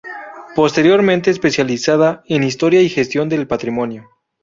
Posteriormente especializada en historia y gestión del patrimonio.